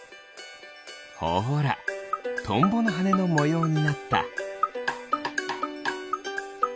ほらトンボのはねのもようになった。